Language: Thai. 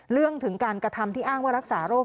ถึงการกระทำที่อ้างว่ารักษาโรค